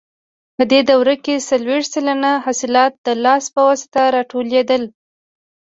په دې دوره کې څلوېښت سلنه حاصلات د لاس په واسطه راټولېدل.